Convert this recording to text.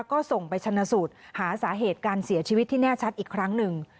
ก็ส่งไปชนะสูตรหาสาเหตุการเสียชีวิตที่แน่ชัดอีกครั้งหนึ่ง